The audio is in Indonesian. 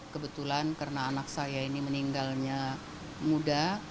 kebetulan karena anak saya ini meninggalnya muda